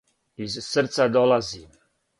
Из срца долази.